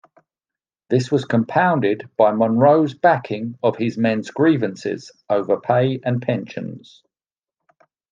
This was compounded by Monro's backing of his men's grievances over pay and pensions.